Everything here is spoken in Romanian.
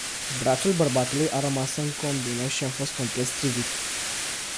Brațul bărbatului a rămas în combină și a fost complet strivit.